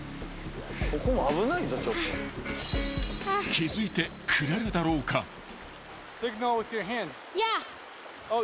［気付いてくれるだろうか］ヤー！